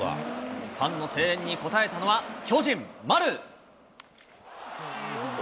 ファンの声援に応えたのは巨人、丸。